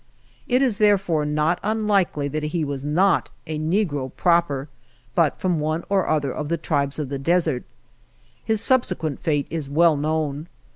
It is therefore not unlikely that he was not a negro proper, but from one or the other of the tribes of the desert. His subsequent fate is well known.